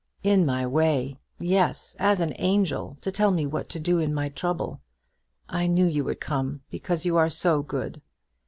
"In my way; yes; as an angel, to tell me what to do in my trouble. I knew you would come, because you are so good.